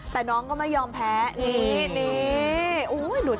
แต่น้องก็ไม่ยอมแพ้นี่